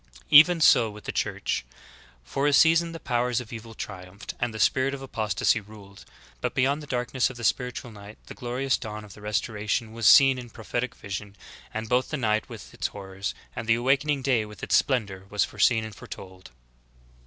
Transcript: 15. Even so with the Church. For a season the powers of evil triumphed, and the spirit of apostasy ruled. But beyond the darkness of the spiritual night the glorious dawn of the restoration was seen in prophetic vision, and both the night with its horrors, and the awakening day with its splendor, were foreseen and foretold.